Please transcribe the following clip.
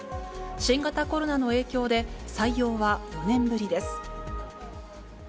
新型コロナの影響で採用は４年ぶりです。